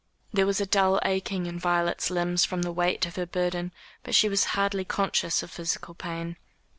There was a dull aching in Violet's limbs from the weight of her burden, but she was hardly conscious of physical pain.